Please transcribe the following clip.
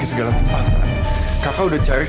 sampai jumpa lagi